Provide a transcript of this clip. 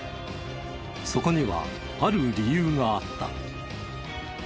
そこにはある理由があった。